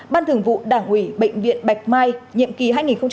ban thường vụ đảng ủy bệnh viện bạch mai nhiệm kỳ hai nghìn một mươi năm hai nghìn hai mươi